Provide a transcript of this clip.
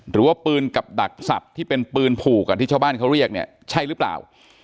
หรือว่าปืนกับดักสัตว์ที่เป็นปืนผูกอ่ะที่ชาวบ้านเขาเรียกเนี่ยใช่หรือเปล่า